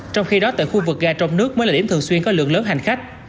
trong khi đó tại khu vực ga trong nước mới là điểm thường xuyên có lượng lớn hành khách